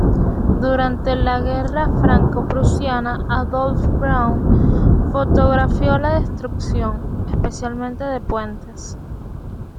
Durante la guerra franco-prusiana Adolphe Braun fotografió la destrucción, especialmente de puentes.